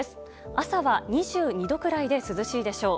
朝は２２度くらいで涼しいでしょう。